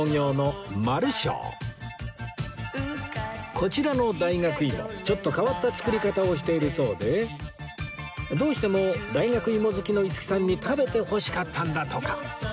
こちらの大学芋ちょっと変わった作り方をしているそうでどうしても大学芋好きの五木さんに食べてほしかったんだとか